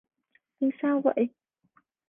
Anh sao vậy